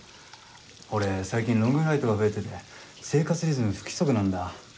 俺最近ロングフライトが増えてて生活リズム不規則なんだ。